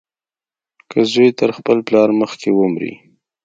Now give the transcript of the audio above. که زوى تر خپل پلار مخکې ومري.